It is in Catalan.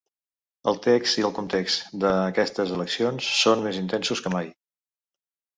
El text i el context d’aquestes eleccions són més intensos que mai.